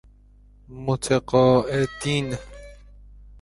متقاعدین